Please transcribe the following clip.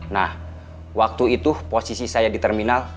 nah waktu itu posisi saya di terminal